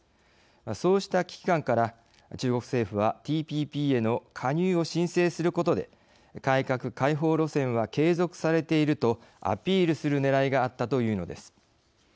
そうした危機感から中国政府はＴＰＰへの加入を申請することで改革開放路線は継続されているとアピールするねらいがあったというのです。